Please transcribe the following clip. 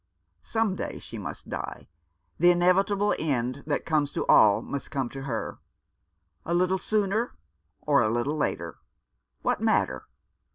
Some day she must die. The inevitable end that comes to all must come to her. A little sooner, or a little later. What matter?